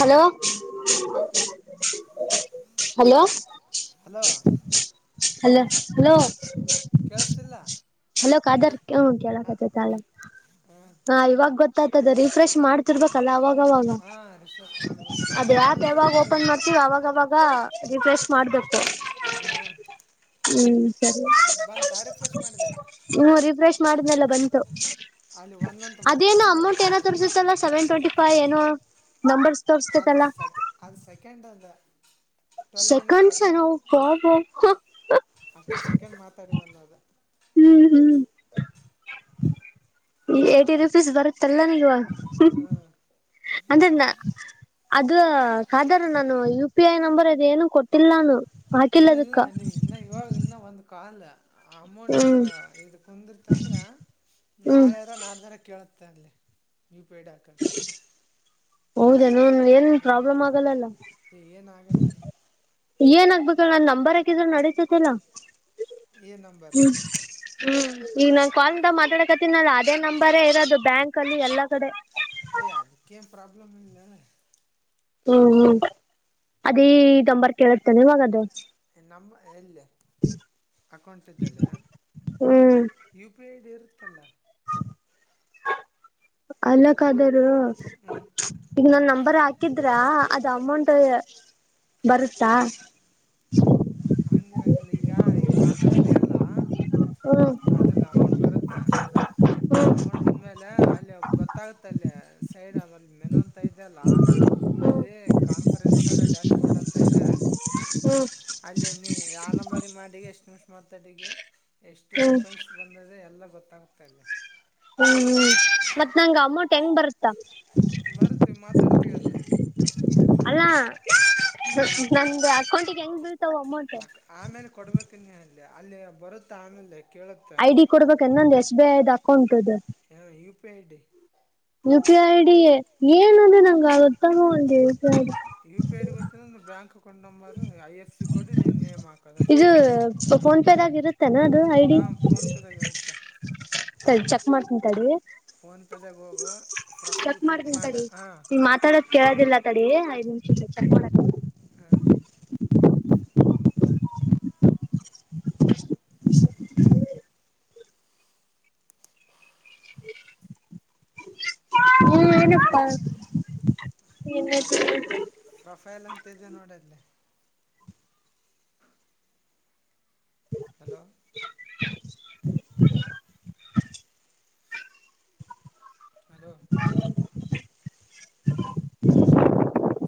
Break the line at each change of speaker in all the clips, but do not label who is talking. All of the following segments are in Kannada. ಹಲೋ
ಆಫ್
ಹಲೋ
ಹಲೋ
ಹಲೋ ಹಲೋ
ಕೇಳಿಸ್ತಿಲ್ಲ
ಅಲ ಕಾದರ್ ಹ
ಹ
ಕೇಳತಲ ಹ ಇವಾಗ ಗೊತ್ತ ದ ರಿಫ್ರೆಶ ಮಾಡುತ್ತಿರಬೇಕು ಅಲ್ಲ ಅವಾಗವಾಗ
ಹ ರಿಫ್ರೆಶ್ ಮಾಡ್ಬೇಕು
ಅದು
ಬಂತಲ್ಲ
ಹ್ಯಾಪ್
ರಿಫ್ರೆಶ್
ಯಾವಾಗ ಓಪನ್
ಮಾಡಿದ್ಮೇಲೆ
ಮಾಡ್ತೀವಿ ಅವಾಗವಾಗ ರಿಫ್ರೆಶ್ ಮಾಡ್ಬೇಕು
ಹಾಂ
ಹ್ಮ್ ಸರಿ
ರಿಫ್ರೆಶ್ ಮಾಡಿದಾಗ
ಹ್ಮ ರಿಫ್ರೆಶ್ ಮಾಡಿದ್ನೆೆಲ್ಲ ಬಂತು.
ಅಲ್ಲಿ ಒನ್ ಅಂತ ಬಂತ
ಅದೇನು
ಅಲ್ಲ.
[inaudible] ಸೆವೆನ್ ಟ್ವೆಂಟಿ ಫೈ ಏನು ನಂಬರ್.
ಅದು ಸೆಕೆ ಅದು ಸೆಕೆಂಡ ಅಂದ.
ಸೆಕಂಡನವು ಬಬ.
ಅಷ್ಟು ಸೆಕೆಂಡ್ ಮಾತಾಡಿ ಅನ್ನೋದು.
ಹ್ಮ್ ಹ್ಮ್ ಈ ಏಟಿರುಪೀಸ್ ಬರುತ್ತಲ್ಲ ನೀವ.
ಹ್ಮ.
ಅದನ್ನ. ಅದ ಖಾದರ್ ಅಣ್ಣ ನಾನು ಯು ಪಿ ಐ ನಂಬರ್ ಅದ ಏನು ಕೊಟ್ಟಿಲ್ಲ ನಾನು. ಹಾಕಿಲ್ಲ
ಇನ್ನ ಇಲ್ಲ
ಅದಕ್ಕ
ನೀ ಇನ್ನ ಇವಾಗ ಇನ್ನ ಒಂದ ಕಾಲ್ ಅಮೌಂಟ್
ಹ್ಮ್
ಇದು ಕುಂದಿರ್ತಂದ್ರೆ
ಹ್ಮ್
ನಾಳೆರಾ ನಾಡ್ದಾರ ಕೇಳುತ್ತೆ ಅಲ್ಲಿ. ಯು ಫಿ ಐ ಡಿ ಹಾಕನಕೆ
ಹ ಹೌದೇನು ಏನ್ ಪ್ರಾಬ್ಲಮ್ ಆಗಲ್ಲಲ್ಲ.
ಹ್ಞೂ ಏನಾಗಲ್ಲ
ಏನ್ ಆಗ್ಬೇಕ ಹೇಳ ನನ್ ನಂಬರ್ ಹಾಕಿದ್ರೆ ನಡತೈತಿಲ್ಲಾ.
ಏನು
ಹ್ಮ್. ಹ್ಮ್ ಈಗ ನಾ ಕಾಲ್ ಇದ ಮಾತಾಡಕತೀನಲ್ಲ ಅದೇ ನಂಬರೇ ಇರೋದು ಬ್ಯಾಂಕ್ ಅಲ್ಲಿ ಎಲ್ಲಾ ಕಡೆ.
ಏ ಅದಕ್ಕೇನು ಪ್ರಾಬ್ಲಮ ಇಲ್ಲಲ್ಲ.
ಹ್ಮ್ ಹ್ಮ್ ಅದೇ ನಂಬರ್ ಕೇಳಿರ್ತೇನೆ ಇವಾಗದು.
ನಂಬ ಇಲ್ಲೇ. ಅಕೌಂಟ್ ಇದ್ದಲ್
ಹ್ಮ್
ಯು ಪಿ ಐಡ್ ಇರುತ್ತಲ್ಲ.
ಅಲ್ಲಕ್ಕಾದಾರ.
ಹ್ಞೂ
ಈಗ ನನ್ ನಂಬರ್ ಹಾಕಿದ್ರ ಅದು ಅಮೌಂಟ್ ಬರುತ್ತಾ.
ಹಂಗಿರಂಗಿಲ್ಲ ಈಗ ಈಗ ಮಾತಾಡ್ತಯಲ್ಲ.
ಹ್ಮ್
ಅದ್ರದ್ದ ಅಮೌಂಟ್ ಬರುತ್ತಾ ಅಮೌಂಟ್ ಬಂದ್ಮೇಲೆ ಅಲ್ಲಿ ಗೊತ್ತ. ಗೊತ್ತಾಗುತ್ತಲ್ಲ ಸೈಡ್ ಆಮೇಲೆ ಮೆನು ಅಂತ ಇದ ಅಲ್ಲ.
ಹ್ಮ್
ಅಲ್ಲೆ ಕಾನ್ಫರೆನ್ಸರ್ ಡ್ಯಾಶ್ಬೋರ್ಡ್ ಅಂತ ಇದೆ.
ಹ್ಮ್
ಅಲ್ಲೇ ನೀ ಯಾ ನಂಬರ್ ಗೆ ಮಾಡಿ ಎಷ್ಟು ನಿಮಿಷ ಮಾತಾಡಿಗೆ ಎಷ್ಟು ಎಷ್ಟು
ಹ್ಮ್
ರೂಪಾಯಸ್ ಬಂದದೆ ಎಲ್ಲ ಗೊತ್ತಾಗ್ತಾ ಅಲ್ಲಿ
ಹ್ಮ್ ಮತ್ತ್ ನಂಗ ಅಮೌಂಟ್ ಹೆಂಗ್ ಬರುತ್ತ.
ಬರ್ತೀವಿ ಮಾತಾಡ್ತೀವಲ್ಲ
ಅಲ್ಲಾ ನಮ್ದ ಅಕೌಂಟಿಗೆ ಹೆಂಗ್ ಬೀಳ್ತಾವ ಅಮೌಂಟ್
ಆ ಆಮೇಲೆ ಕೊಡ್ಬೇಕನ್ನೇ ಅಲ್ಲಿ ಅಲ್ಲಿ ಬರುತ್ತೆ ಆಮೇಲೆ ಕೇಳು
ಐ ಡಿ ಕೊಡ್ಬೇಕ ನಂದ ಎಸ್ ಬಿ ಐದ್ ಅಕೌಂಟ್ದು
ಹ U P I D
U P I D ಏನ ಅದ ನಂಗ ಅಲತನವಲ್ದ U P I D
U P ID ಗೊತ್ತಿಲ್ಲ ಅಂದ್ರ bank account number I F C code ನಿನ ನೇಮ್ ಹಾಕು
ಇದು ಫೋನ್ಪೇದಾಗ ಇರುತ್ತೆನಾ ಅದು ಐಡಿ
ಹಾಂ ಫೋನ್ಪೇದಾಗ ಇರುತ್ತೆ
ತಡಿ ಚೆಕ್ ಮಾಡ್ತೆನ ತಡಿ
ಫೋನ್ಪೇದಾಗ ಹೋಗು ಪ್ರೊಫೈಲ್ ಕ್ಲಿಕ್ ಮಾಡ ಹಾಂ
ಕೇಳದಿಲ್ಲಾ ತಡಿ ಐದ್ ನಿಮಿಷ ಚೆಕ್ ಮಾಡ್ತನಿ
ಹಾ
ಹ್ಮ್ ಏನಪ್ಪಾ [unintelligible]
ಅಲ್ ಪ್ರೊಫೈಲ್ ಅಂತಿದೆ ನೋಡ ಅಲ್ಲಿ ಹಲೋ ಹಲೋ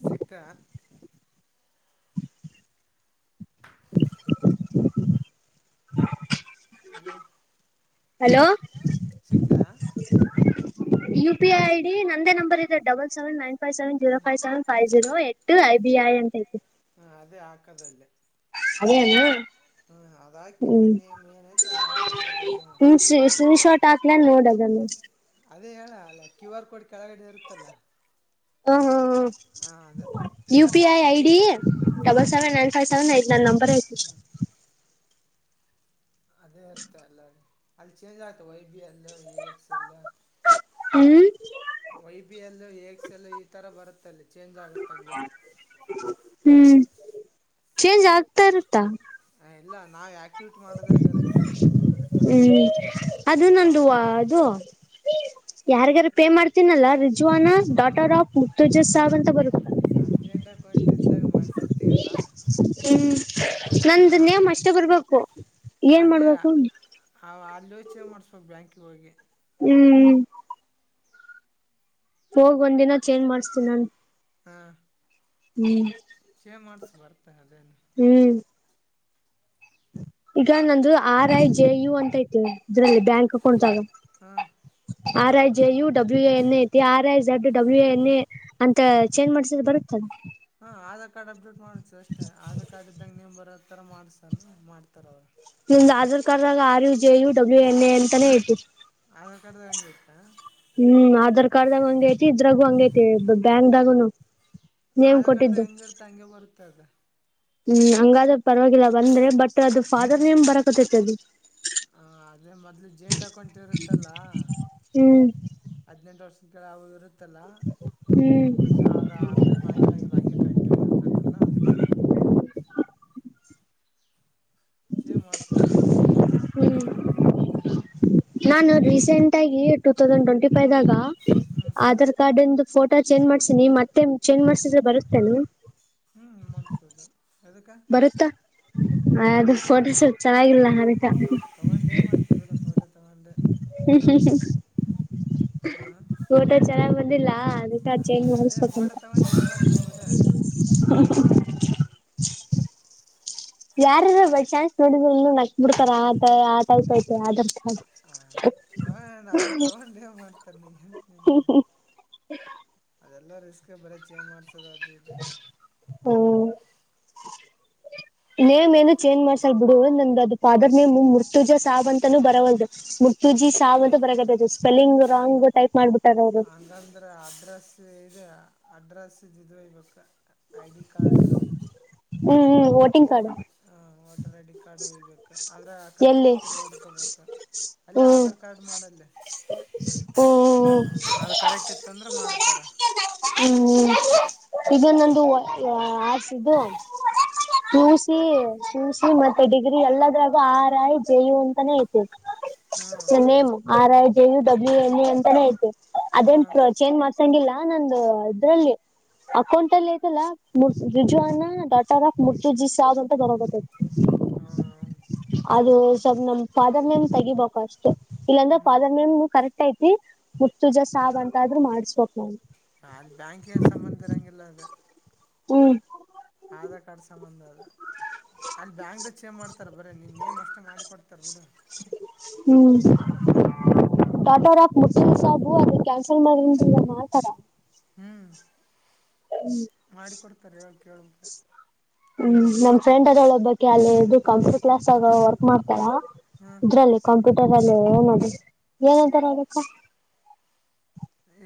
ಸಿಗ್ತಾ [inaudible] ಹಲೋ ಹಲೋ ಸಿಕ್ತಾ
U P I I D ನಂದೇ ನಂಬರ್ ಇದೆ double seven nine five seven zero five seven five zero ಹೆಟ್ ಹೈಬಿಐ ಅಂತ ಐತಿ
ಹ್ಮ್ ಅದೇ ಹಾಕದಲ್ಲೇ
ಹಳನು [unintelligible]
ಹ್ಮ ಅದ್ ಹಾಕನ್ ನಿನ್ನ ಏನ್ತು ಅದ್ ಹಾಕದ ರುಜು ಅಂತ
ಶಾರಟ್ ಹಾಕ್ಲನ್ ನೋಡೋದನ್ನು
ಅದೇ ಹೇಳ ಅಲ್ಲ ಕ್ಯೂ ಆರ್ ಕೋಡ್ ಕೆಳಗಡೆ ಇರುತ್ತಲ್ಲ
ಹ್ಮ ಹ್ಮ್
ಹಾ ಅದ
ಹ್ಮ U P I I D
ಹಾ
double seven nine five seven eight ನನ್ ನಂಬರ್ ಐತಿ
ಅದೇ ಆರ್ತ ಅಲ್ಲ ಅಲ್ಲಿ ಚೇಂಜ್ ಆತ Y B L A X L
ಹ್ಮ್
ವೈ ಬಿ ಎಲ್ಲು ಎಕ್ಸೆಲ್ಲು ಈ ಥರ ಬರುತ್ತಲ್ಲಿ ಚೇಂಜ್ ಆಗುತ್ತೆಂಗೆ
ಹ್ಮ್ ಚೇಂಜ್ ಆಗ್ತಾ ಇರ್ತ್ತಾ
ಹ ಇಲ್ಲ ನಾವ್ ಆಕ್ಟಿವಿಟಿ ಮಾಡದ್ರ ಇರುತ್ತೆ
ಹ್ಮ್ ಅದು ನಂದ್ವ ಅದು ಯಾರಿಗಾರು ಪೇ ಮಾಡ್ತೀನಲ್ಲಾ ರಿಜ್ವಾನ ಡಾಟರ್ ಆಫ್ ಮುರ್ತುಜಸ್ ಸಾಹಬ್ ಅಂತ ಬರುತ್ತೆ
ಅರ್ಜೆಂಟ ಅಕೌಂಟ್ ಇದ್ದಾಗ ಮಾಡ್ಸಿರ್ತಯಲ್ಲ
ಹ್ಮ್ ನಂದು ನೆಮ್ ಅಷ್ಟೇ ಬರ್ಬೇಕು ಏನ್ ಮಾಡ್ಬೇಕು
ಹ ಅಲ್ಲಿ ಹೋಗಿ ಚೋನ್ ಮಾಡಿಸ್ಬೇಕು ಬ್ಯಾಂಕಿಗೆ ಹೋಗಿ
ಹ್ಮ್ ಹೋಗ್ ಒಂದ ದಿನ ಚೇಜ್ ಮಾಡ್ತನಿ ನನ್
ಹಾ
ಹ್ಮ್
ಚೇ ಮಾಡ್ಸು ಬರ್ತಾ ಅದೇನ
ಹ್ಮ್ ಈಗ ನಂದು ಆರ್ ಐ ಜೆ ಯು ಅಂತ ಐತಿ ಇದ್ರಲ್ಲಿ ಬ್ಯಾಂಕ್ ಅಕೌಂಟ್ಾಗ
ಹಾ
R I J U W N ಐತಿ R I Z W N A ಅಂತ ಚೇಂಜ್ ಮಾಡ್ಸಿದ್ರೆ ಬರುತ್ತದ
ಹಾಂ ಆಧಾರ್ ಕಾರ್ಡ್ ಅಪ್ಡೇಟ್ ಮಾಡ್ಸು ಅಷ್ಟೇ ಆಧಾರ್ ಕಾರ್ಡ್ ಇದ್ದಂಗೆ ನೀ ಬರೋತರ ಮಾಡ್ಸ ಮಾಡ್ತಾರ ಅವ್ರು
ನಮ್ದು ಆಧಾರ್ ಕಾರ್ಡ್ ಆಾಗ R U J U W N A ಅಂತಾನೇ ಹೇಳ್ತಿರಿ
ಆಧಾರ್ ಕಾರ್ಡ್ದದಂಗ ಇತ್ತಾ
ಹ್ಮ್ ಆಧಾರ್ ಕಾರ್ಡ್್ದಾಗ ಹಂಗ ಐತಿ ಇದ್ರಾಗು ಹಂಗ ಐತಿ ಬ್ಯಾಂಕ್ದಾಗುನು ನೇಮ್
ಆಧಾರ್ ಕಡ್ದಾಗ
ಕೊಟ್ಟಿದ್ದು
ಹೆಂಗ ಇರುತ್ತೆ ಹಂಗೆ ಬರುತ್ತೆ ಅದ
ಹ್ಮ್ ಹಂಗಾದ ಪರವಾಗಿಲ್ಲ ಬಂದ್ರೆ ಬಟ್ ಅದು ಫಾದರ್ ನೇಮ್ ಬರಕತೈತಿ ಅದು
ಹಾ ಅದೇ ಮೊದ್ಲು ಜೇಂಟ ಅಕೌಂಟ್ ಇರುತ್ತಲ್ಲ.
ಹ್ಮು
ಹದ್ನೆಂಟು ವರ್ಷದ ಕಳ ಯಾವು ಇರುತ್ತಲ್ಲ
ಹ್ಮ್
ಸಾ ಅದ ಅಪ್ಡೇಟ್ ಮಾಡಿರಾಂಗಿಲ್ಲ ಹಂಗೆ ಕಂಟಿನ್ಯೂ ಇರ್ತೈತ್ತಲ್ಲ ಅದಿಕ್ಕೆ ಹಂಗೆ ಬರುತ್ತ್. ಚೇಂಜ್ ಮಾಡಸಬಹುದ್.
ಹ್ಮ್ ನಾನು ರೀಸೆಂಟ್ ಆಗಿ ಟೂ ತೌಸಂಡ್ ಟ್ವೆಂಟಿ ಫೈವ್ ದಾಗ
ಹ್ಞೂ
ಆಧಾರ್ ಕಾರ್ಡ್ಂದು ಫೋಟೋ ಚೇಂಜ್ ಮಾಡ್ಸಿನಿ ಮತ್ತೆ ಚೇಂಜ್ ಮಾಡ್ಸಿದ್ರೆ ಬರುತ್ತೇನ.
ಹ್ಮು ಮಾಡಸಬಹುದ್ ಎದಕ್.
[unintelligible] ಅದು ಫೋಟೋ ಸ್ವಲ್ಪ್ ಚೆನ್ನಾಗಿಲ್ಲ ಅದಕ್.
ತಗೊಂಡ್ ಏನ್ ಮಾಡ್ತಿ ಬೀಡ್ ಫೋಟೋ ತಗೊಂಡ.
[unintelligible]
ಆ
ಫೋಟೋ ಚೆನ್ನಾಗ್ ಬಂದಿಲ್ಲ ಅದಕ್ಕೆ ಚೇಂಜ್
ಅದೇ
ಮಾಡಿಸಬೇಕಂತ.
ಫೋಟೋ ತೊಗೊಂಡು ಏನು ಮಾಡ್ತೀವಿ ಬಿಡು
ಯಾರಾರ ಬೈ ಚಾನ್ಸ್ ನೋಡಿದ್ರ ನಕ್ಕ್ ಬಿಡ್ತಾರ ಆತ ಆ ಐತಿ ಐತೆ ಅಧಾರ್ ಕಾರ್ಡ್
ಹಾ ತಗೊಂಡ ಅವ್ರು ತಗೊಂಡೇ ಮಾಡ್ತಾರೆ ನೀ ಅಂತ
ಹು.
ನಿನ್ನದು
ಹ್ಮು
ಅದೆಲ್ಲ ರಿಸ್ಕ್ ಬರೇ ಚೇಂಜ್ ಮಾಡ್ಸೋದ್ ಅದ್ ಇದ್.
ಹ್ಮು ನೇಮ್ ಏನು ಚೇಂಜ್ ಮಾಡಸಲ್ಲ್ ಬಿಡು ನಂದ ಅದು ಫಾದರ್ ನೇಮ್ ಮುರ್ತುಜ ಸಾಬ್ ಅಂತಾನೂ ಬರವಾಲ್ದ. ಮುಟ್ಟುಜಿ ಸಾವಂತ ಬರಾಕತ್ತಾತಿ ಸ್ಪೆಲ್ಲಿಂಗ್ ರಾಂಗ್ ಟೈಪ್ ಮಾಡ್ಬ
ಹಾಂಗ್ ಅಂದ್ ಅಂದ್ರ ಅಡ್ರೆಸ್ ಇದ್ ಅಡ್ರೆಸ್ ಇದ ಇದ ಇರ್ಬೆಕ್ ಐ-ಡಿ ಕಾರ್ಡ್.
ಹ್ಮು ಹ್ಮು ವೋಟಿಂಗ್ ಕಾರ್ಡ್.
ಹಾ ವೋಟರ್ ಐ-ಡಿ ಕಾರ್ಡ್ ಓಯ್ಬೇಕ್ ಆದ್ರ ಆದ್ ಕರೆಕ್ಟ್
ಎಲ್ಲಿ
ಐತಿ ಇಲ್ಲೋ ನೋಡ್ಕೋಬೇಕ. ಅಲ್ಲೇ ಆಧಾರ್ ಕಾರ್ಡ್ ಮಾಡಲ್ಲೇ.
ಓ ಓ
ಆದ್ ಕರೆಕ್ಟ್ ಇತ್ತ ಅಂದ್ರ ಮಾಡ್ತಾರ.
ಹ್ಮು ಹ್ಮು ಇದನ್ನೊಂದು [unintelligible] ಸೂಸಿ ಸೂಸಿ ಮ ಡಿಗ್ರಿ ಎಲ್ಲದ್ರಾಗೂ ಆರ್-ಐ-ಜೆ-ಯು ಅಂತಾನೇ ಐತಿ.
ಹಾಂ
ನನ್ನ್
ಅದೇ
ನೇಮ್ ಆರ್-ಐ-ಜೆ-ಯು-ಡಬ್ಲ್ಯು-ಎನ್-ಎ ಅಂತಾನೇ ಐತೆ [unintelligible]
ಹಾಂ
ಚೇಂಜ್ ಮಾಡ್ಸಂಗಿಲ್ಲ ನಂದು ಅದ್ರಲ್ಲಿ ಅಕೌಂಟ್ ಅಲ್ಲಿ ಐತಲ್ಲ ರಿಜವಾನ ಡಾಟರ್ ಆಫ್ ಮುರ್ತುಜಿ ಸಾವ್ ಅಂತ ಬರಾಕತ್ತೈತಿ.
ಹಾ
ಅದು ಸ್ವಲ್ಪ್ ನಮ್ಮ್ ಫಾದರ್ನೇಮ್ ತಗಿಬೇಕು ಅಷ್ಟೇ. ಇಲ್ಲಾಂದ್ರೆ
ಹ್ಞೂ
ಫಾದರ್ ನೇಮ್ ಕರೆಕ್ಟ್ ಐತಿ ಮುತ್ತುಜ ಸಾಬ ಅಂತಾದ್ರು ಮಾಡ್ಸಬೇಕು [unintelligible]
ಅಲ್ಲಿ ಬ್ಯಾಂಕಿಗ್ ಏನ್ ಸಂಬಂಧ ಇರಾಂಗಿಲ್ಲ ಅದ್.
ಹ್ಮ್
ಆಧಾರ್ ಕಾರ್ಡ್ ಸಂಬಂಧ ಅದ್. ಅಲ್ಲಿ ಬ್ಯಾಂಕ್ದಾಗ್ ಚೇಂಜ್ ಮಾಡ್ತಾರ ಬರೇ ನಿನ್ನ್ ನೇಮ್ ಅಷ್ಟೆ ಮಾಡಿ ಕೊಡ್ತಾರೆ ಬಿಡು.
ಹ್ಮು ಟಾಟೋ ರಾಪ್ [unintelligible] ಸಾಬು ಅದು ಕ್ಯಾನ್ಸಲ್ ಮಾಡಿ ಅಂದ್ರಲ್ಲ ಮಾಡ್ತಾರಾ.
ಹ್ಮು
ಹ್ಮು ಹ್ಮು ನಮ್ ಫ್ರೆಂಡ್ ಅದಾಳ ಒಬ್ಬಕ್ಕಿ ಅಲ್ಲಿ ಇದು ಕಂಪ್ಯೂಟರ್ ಕ್ಲಾಸ್ ಆಗ ವರ್ಕ್ ಮಾಡ್ತಾಳ್
ಹ್ಞೂ
ಇದ್ರಲ್ಲಿ ಕಂಪ್ಯೂಟರ್ ಅಲ್ಲಿ ಏನ್ ಆದ್ ಏನಂತಾರ ಅದಕ್.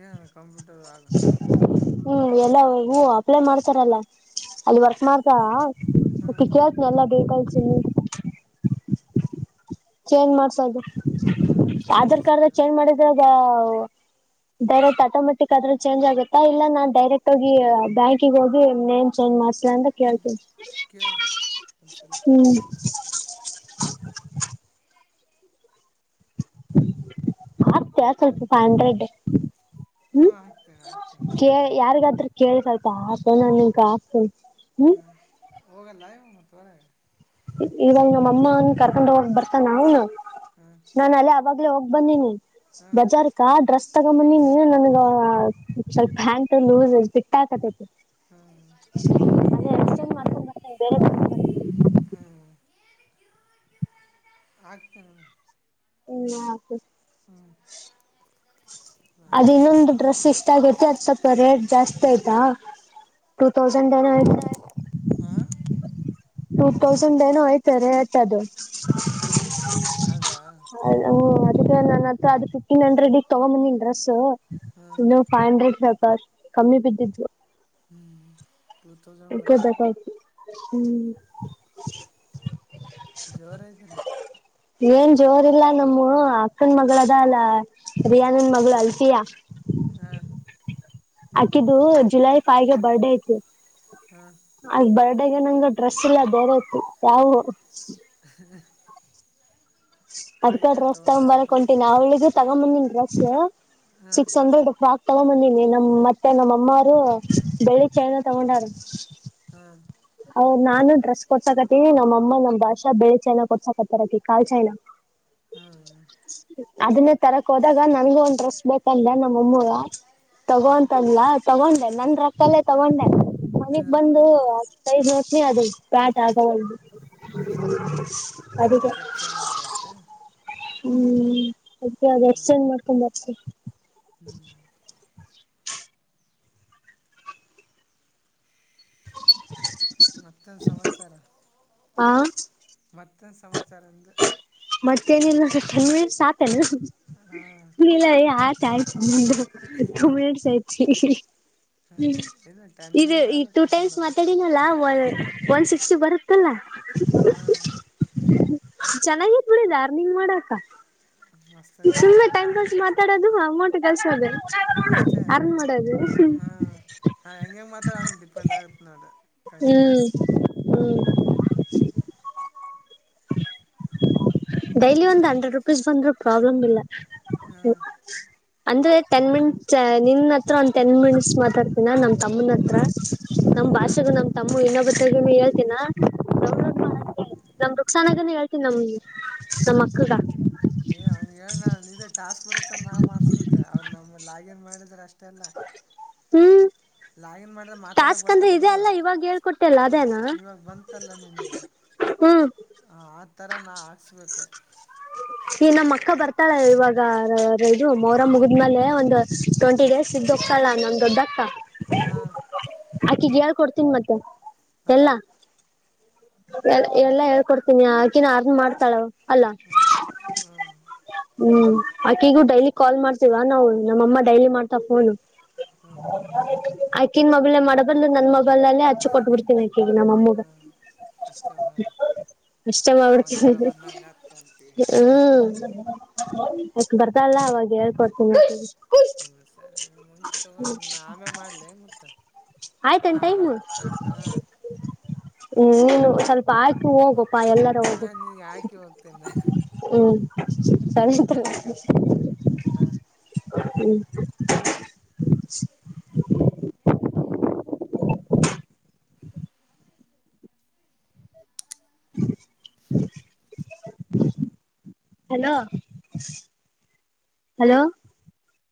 ಏನು ಕಂಪ್ಯೂಟರ್ದಾಗ್.
ಹ್ಮ್ ಎಲ್ಲ ಹೂ ಅಪ್ಲೈ ಮಾಡ್ತಾರಲ್ಲ ಅಲ್ಲಿ ವರ್ಸ
ಹಾಂ
ಮಾಡ್ತಿ ಕೇಳತ್ನೆ ಎಲ್ಲ ಬೇಕಾಯಚಿ ಚೇಂಜ್ ಮಾಡ್ಸೋದು
ಹಾಂ ಚೇಂಜ್
ಆಧಾರ್ ಕಾರ್ಡ್
ಮಾಡ್ಸೋದು
ಚೇಂಜ್ ಮಾಡಿದ್ರೆ ಅದ ಡೈರೆಕ್ಟ್ ಆಟೋಮೆಟಿಕ್ ಆದ್ರೂ ಚೇಂಜ್ ಆಗುತ್ತಾ ಇಲ್ಲ ನಾನ್ ಡೈರೆಕ್ಟ್ ಆಗಿ ಬ್ಯಾಂಕ್ಿಗೆ ಹೋಗಿ ನೇ್ ಚೇಜ್ ಮಾಡ್ ಂತ ಕೇಳ್ತೀಿ
ಕೇಳು ಒಂದ್ಸಲ
ಹ್ಮ್ ಅ ಸ್ವಲ್ಪ ಫೈ ಹಂಡ್ರೆಡ್ ಹ್ಮ್
ಹಾಂ ಹಾಕ್ತೇನೆ ಹಾಕ್ತೇನೆ
ಕ ಯಾರಿಗಾದ್ರ ಕೇಳಿ ಸ್ವಲ್ಪ ಆತ
ಹಾಂ
ನನ್ನ್ ಕ ಹಾಕ್ತ ಹ್ಮ್
ಹಾಂ ಹೋಗಲ್ಲ ಇವ ಮತ್ತ ಹೊರಗೆ
ಈವಾಗ ನಮ್ಮ ಅಮ್ಮನ್ ಕರ್ಕೊಂಡ್ ಹೋಗ ಬರ್ತಾ ನ ಅವನು
ಹಾಂ
ನಾನು ಅಲ್ಲೇ ಆಾಗ್ಲೇ ಹೋಗ್ ಬಂದೀನಿ
ಹಾಂ
ಬಜಾರ್ ಆ ಡ್ರೆಸ್ ತಗೊಂಬನ್ನಿ ನೀ ನನ್ಗ ಸ್ವಲ್ಪ ಪ್ಯಾಂಟ್ ಲೂಸ್ ಬಿಟ್ಟಾಕತೈತಿ
ಹ್ಮ್ ಹ್ಮ್
ಅದೇ ಎಕ್ಸ್ಚೇಂಜ್ ಮಾಡ್ಕೊಂಡ್ ಬರ್ತೇನೆ ಬೇರೆ
ಆಗ್ತೇನೆ
ಹ್ಮ ಅದ ಇನ್ನೊಂದು ಡ್ರೆಸ್ ಇಷ್ಟ ಆಗೈತಿ ಅದ್ ಸ್ವಲ್ಪ ರೇಟ್ ಜಾಸ್ತಿ ಆಯ್ತಾ ಟೂ ತೌಂಡ್ ಟೆನ್
ಹಾಂ
ಟು ತೌಸಂಡ್ ಏನು ಆಯ್ತಾರೆ ಅಟ್ ಅದು
ಹಾ ಅದಾ
ಅ ಹ ಅದಕ್ಕೆ ನಾನತ್ ಅದು ಫಿಫ್ಟೀನ್ ಹಂಡ್ರೆಡ್ಗ್ ತಗೊ್ ಬಂದಿ ಡ್ರೆಸ್
ಹಾಂ
ಫೈವ್ ಹಂಡ್ರೆಡ್ ರಕ್ ಕಮ್ಮಿ ಬಿದ್ದಿದ್ು
ಹ್ಮ್
ಹಕಬೇಕಾಯ್ತು ಹ್ಮ್
ಜೋರ ಐತೆ ರೀ
ಏನ್ ಜೋರ್ ಇಲ್ಲಾ ನಮ್ಮ ಅಕ್ಕನ ಮಗಳ ಅದ ಅಲ್ಲ ರಿಯಾನನ್ ಮಗಳು ಅಲ್ತಿಯಾ
ಹಾ
ಆಕಿದ್ದು ಜುಲೈ ಫೈ್ಗೆ ಬರ್ಡೇ ಐತಿ
ಹಾ
ಅ ಬರ್ಡಗೆ ನಂಗ ಡ್ರೆಸ್ ಎಲ್ಲ ಬೇರೆ ತತ್ತು ಯಾವ
ಹ.
ಅದ್ ಕಡೆ ರೋಸ್ತಂಬರ್ಕೊಂಂತೀನಿ ಅವಳಿಗ. ತಗಂಬನ್ನಿ್ರಸ್
ಹಾಂ
ಸಿಕ್ಸ್ ಹಂಡ್ರೆಡ್. ತಗೊ ಬಂದೀನಿ ನಮ್ ಮತ್ತೆ ನಮ್ಮ ಅಮ್ಮ ಅವರು ಬೆಳ್ಳಿ ಚಾಯನ ತಗೊಂಡಾರ.
ಹಾ.
ನಾನು ಡ್ರೆಸ್ ಕೊಡ್ಸಾಕತ ನಮ್ಮಅಮ್ಮ ನಮ್ಮ್ಾಷಾ ಬೆಳಿ ಚಾಯನಾ ಕೊಡ್ಸಕತ್ತರಕಿ ಕಾಲ್ ಚೈನಾ.
ಹೌದು
ಅದನ್ನೇ ತರಕ್ ಹೋದಾಗ ನನ್ಗೂ ಒಂದ್ ಡ್ರೆಸ್ ಬೇಕಲ್ಲ ನಮ್ಮಮ್ಮೂ
ಹಾಂ
ತಗೋಂತಲ್ಲ್ಲ ತಗೊಂಡೆ ನಂದ ರೊಕ್ಕಲ್ಲೇ ತಗೊಂಡೆ
ನಿಂದು
ಮನಗ್ ಬಂದು
ರೊಕ್ಕಲ್ಲೇ
ಕೈದು ನೋಷನೆ ಅದು ಬ್ಯಾಟ್ ಆಗ ಒ
ಹಾಂ
ಅದದ
ಅದಕ್ಕೆ ಎಕ್ಸ್ಚೇಂಜ್ ಮಾಡ್ಕೊಳುತ್ತೆ
ಹ್ಮ್ ಅದೆ ಅದ ಎಕ್ಸ್ಚೇಂಜ್ ಮಾಡ್ಕೊಂಡ ಬರ್ತ
ಹ್ಮ್
[inaudible]
ಮತ್ತೊಂದು ಸಮಾಚಾರ
ಹಾ
ಮತ್ತ ಸಮಾಚಾರಂದು.
ಮತ್ತೇನಿಲ್ಲ ಚೆಂಗ ಸಾತ್ನ.
ಹಾ.
ಇಲ್ಲ ಆತ ಆಯ್ತ ಮು ತಂಬಟ್ಸ್ ಆಯತಿ.
ಹಾಂ
ಹ್ಮ್
ಇದು ಟೆನ್
ಇದು
ಮಿನಿಟ್ಸ್
ಈ
ಆದರೆ
ಟೂ
ಕಟ್
ಟೈಮ್ಸ್
ಮಾಡೋದು
ಮಾತಾಡಿ ನ. ಒನ್ ಸಿಕ್ಸ್ಟಿ ಬರುತ್ತಲ್ಲ.
ಹಾಂ
ಚೆನ್ನಾಗತ್ ಬಿಡಿದ ಅರ್ನಿಂಗ್ ಮಾಡಾಕ.
ಮಸ್ತ್ ಐತೆ
ಸುಮ್ಮನೆ ಟೈಮ್ ಪಾಸ್ ಮಾತಾಡೋದು ಅಮ್ಮೌಂಟ್ ಕೆಲ್ಸದೆ
ಅಷ್ಟೇ
ಅರ್ನ್ ಮಾಡೋದು.
ಹಾಂ ಹಾಂ ಹೆಂಂಗಗೆ ಮಾತ್ರಾ ಹಂಗ ಪೆಂಡ್ ಆಗತ್ ನೋಡ್.
ಹ್ಮ್. ಡೈಲಿ ಒಂದು ಹಂಡ್ರೆಡ್ ರುಪೀಸ್ ಬಂದ್ರು ಪ್ರಾಬ್ಲಮ್ ಇಲ್ಲ
ಹ್ಮ.
ಅಂದ್ರೆ ಟೆನ್ ಮಿನಿಟ್ಸ್ ನಿನ್ ಹತ್ರ ಒಂದ ಟೆನ್ ಮಿನಿಟ್ಸ್ ಮಾತಾಡ್ತಿನ ನಮ್ ತಮ್ಮನ ಹತ್ರ. ನಮ್
ಹಾಂ
ಭಾಷೆಗೂ ನಮ್ ತಮ್ಮ ಇನ್ನೊಬ್ಬ ಹೇಳ್ತೀಿನ.
ಹಾ
ನಮ ವೃಕ್ಷಸಾನಾಗಾನ ಹೇಳ್ತೀನಿ ನಮ್ ನಮ್ ಅಕ್ಕಗ
ಏ ಅವ್ ಹೇಳ ಇ ಟಾಸ್ಕ್ ಬರುತ್ತ ನಾ್ ಮಾಡ್ಸ್ಬೇಕು ಅವ್ರು ನಮ ಲಾಗಿನ್ ಮಾಡಿದ್ರೆ ಅಷ್ಟ ತಲ್ಲ
ಹ್ಮ್
ಲಾಗಿನ್ ಮಾಡಿದ ಮಾತಾಡಕ್
ಟಾಸ್ಕ್ ಅಂದ್ರೆ
ಬರ್ತದ
ಇದೇ
ಬಿಡ
ಅಲ್ಲ ಇವಾಗ ಹೇಳ್ಕೊಟ್ಟೆಲ್ಲ
ಇವಾಗ ಬಂತ ಗತ್ತಲ್ಲ ನಿನಗೆ
ಹ್ಮ
ಹ ಆತರ ನಾ ಹಾಕ್ಸ್ಬೇಕ
ಈ ನಮ್ಮ್ ಅಕ್ಕ ಬರ್ತಾಳೆ ಇವಾಗ ಇದು ಮೊರ ಮುಗಿದ್ಮೇಲೆ ಒಂದು ಟ್ವೆಂಟಿ ಡೇಸ್ ಇದ್ದಕ್ಕಲ್ಲ ನಮ ದೊಡ್ಡಕ್ಕ
ಹಾ
ಆಕಿ ಜಳ್ ಕೊಡ್ತೀನಿ ಮತ್ತೆ
ಹಾಂ
ಎ ಎಲ್ಲಾ
ಹೇಳ್ಕೊಡು
ಹೇಳ್ಕೊಡ್ತೀನಿ ಆಿನ ಅರ್ನ್ ಮಾಡ್ತಾಳ ಅಲ್ಲಾ
ಹ್ಮಞ ಹ್ಮ್
ಹ್ಮ್ ಆಕಿಗೂ ಡೈಲಿ ಕಾಲ್ ಮಾಡ್ತೀವಾ ನಾವು ನಮ್ಮಮ್ಮ
ಹ್ಞೂ
ಡೈಲಿ ಮಾಡ್ತಾ ಫೋನು
ಹ್ಞೂ
ಆಕಿನ ಮೊಬಲ್ ಮಾಡಬಂದ ನ ಲ್ಲಲ್ಲೇ ಹಚ್ಚಿ ಕೊಟ್ಬಿಡ್ತೀನೇಗ ನಮ್ಮಮ್ಮೂಗ
ಹ್ಞೂ ಅಷ್ಟೇ ಮಾಡಿ
ಕಷ್ಟ
ಆ
ಮಾಡಿಡ್ತೀ
ಮಡ್ಡಾರ ಬಂದಂಗೆ ಆಗ್ತ ಅಂತೀವಿ
ಹ್ಮ್ ಅಷ್ಟ ಬರ್ತಲ್ಲ ಅವಾಗ ಹೇಳ್ಕೊಡ್ತೀನಿ
ಹ್ಮ್ ಸರಿ ಇ ಮುಂ ತಗೊ ಆಮೇ ಮಾಡ್ಲಿ ಹೆ ಮತ್ತ
ಆಯ್ತ ಟೈಮ ಹ್ಮ ನೀನು ಸ್ವಲ್ಪ ಪ ಆ್ಕು ಹೋಗಪ್ಪಾ ಎಲ್ಲಾರ ಹದು
ಹಾಂ ನಿನಗೆ ಹಾಕಿ ಹೋಗ್ತೀನಿ ನಾನು
ಹ್ಮ್ ಸರಿ
ಹಾ
ಹ್ಮ್
ಅದ ಬಾಗ
ಹಾ ಹಲೋ ಹಲೋ